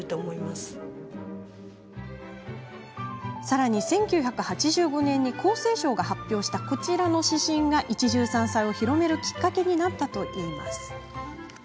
さらに、１９８５年に厚生省が発表したこちらの指針が一汁三菜を広めるきっかけになったといいます。